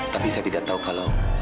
tapi saya tidak tahu kalau